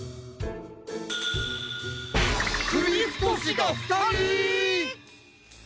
くびふとしがふたり！？